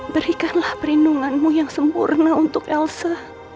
berikanlah perlindunganmu yang sempurna untuk elsa